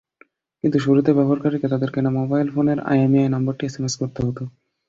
কিন্তু শুরুতে ব্যবহারকারীকে তাঁদের কেনা মোবাইল ফোনের আইএমইআই নম্বরটি এসএমএস করতে হতো।